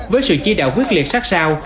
với sự chia đạo quyết liệt sát sao